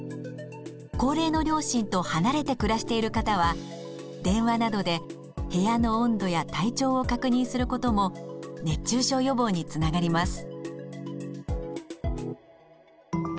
高齢の両親と離れて暮らしている方は電話などで部屋の温度や体調を確認することも熱中症予防につながります。